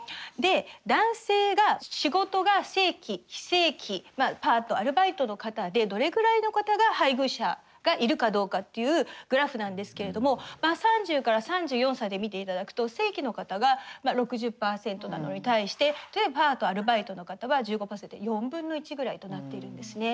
男性が仕事が正規非正規パート・アルバイトの方でどれぐらいの方が配偶者がいるかどうかっていうグラフなんですけれども３０から３４歳で見ていただくと正規の方が６０％なのに対してパート・アルバイトの方は１５％４分の１ぐらいとなっているんですね。